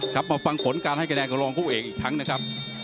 ครับมาฟังผลการให้คะแนนของรองผู้เอกอีกครั้งนะครับ